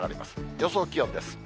予想気温です。